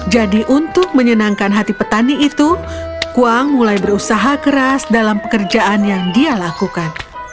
jadi untuk menyenangkan hati petani itu kuang mulai berusaha keras dalam pekerjaan yang dia lakukan